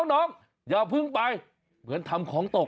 น้องอย่าพึ่งไปเหมือนทำของตก